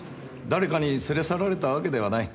誰かに連れ去られたわけではない。